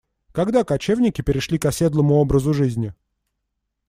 Когда кочевники перешли к оседлому образу жизни?